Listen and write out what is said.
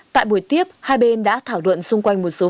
tại buổi tiếp hai bên đã thảo luận xung quanh một số vấn đề